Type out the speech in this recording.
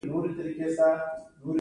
د پوهې شریکول یوه دنده ده.